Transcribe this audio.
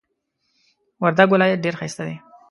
وردک ولایت ډیر ښایسته دی.